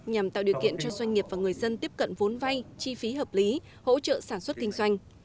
nhằm tạo điều kiện cho doanh nghiệp và người dân tiếp cận vốn vay chi phí hợp lý hỗ trợ sản xuất kinh doanh